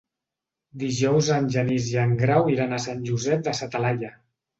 Dijous en Genís i en Grau iran a Sant Josep de sa Talaia.